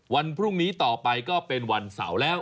วันพรุ่งนี้ต่อไปก็เป็นวันเสาร์แล้ว